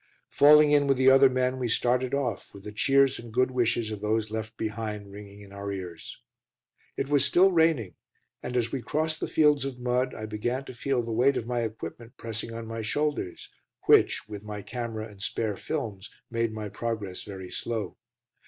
Falling in with the other men we started off, with the cheers and good wishes of those left behind ringing in our ears. It was still raining, and, as we crossed the fields of mud, I began to feel the weight of my equipment pressing on my shoulders, which with my camera and spare films made my progress very slow.